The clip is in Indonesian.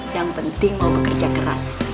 yang penting mau bekerja keras